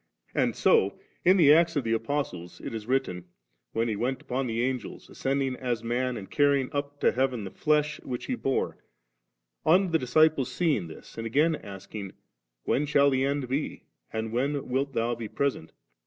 And so in the Acts of the Apostles it is written, wheo He went upon the Angels, ascending as man, and carrying up to heaven the flesh which He bore, on the disciples seeing this, and again asking, 'When shall the end be, and when wilt Thou be pr#*sent?'